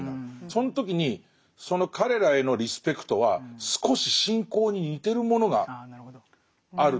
その時にその彼らへのリスペクトは少し信仰に似てるものがあると思う。